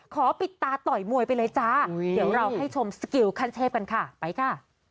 ขอปิดตาต่อยมวยไปเลยจ้าเดี๋ยวเราให้ชมสกิลขั้นเทพกันค่ะไปค่ะ